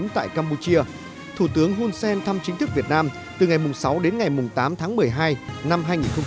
tại campuchia thủ tướng hun sen thăm chính thức việt nam từ ngày sáu đến ngày tám tháng một mươi hai năm hai nghìn một mươi chín